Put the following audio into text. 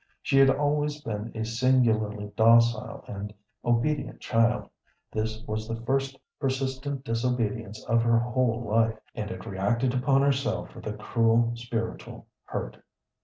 She had always been a singularly docile and obedient child; this was the first persistent disobedience of her whole life, and it reacted upon herself with a cruel spiritual hurt.